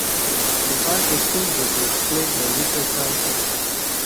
The part of Philbrick was played by Richard Carlson.